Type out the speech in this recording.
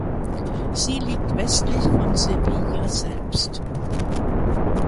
Sie liegt westlich von Sevilla selbst.